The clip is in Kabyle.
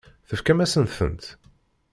Tefkam-asent-tent?